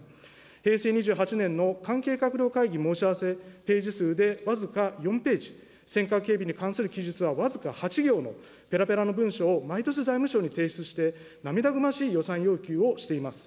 平成２８年の関係閣僚会議申し合わせ、ページ数で僅か４ページ、尖閣警備に関する記述は僅か８行の、ぺらぺらの文書を毎年財務省に提出して、涙ぐましい予算要求をしています。